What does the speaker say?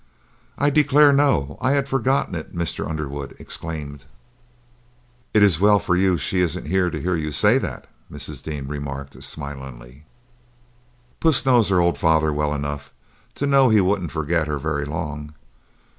"I declare! No; I had forgotten it!" Mr. Underwood exclaimed. "It's well for you she isn't here to hear you say that!" Mrs. Dean remarked, smiling. "Puss knows her old father well enough to know he wouldn't forget her very long.